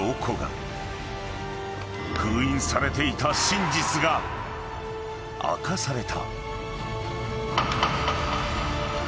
［封印されていた真実が明かされた］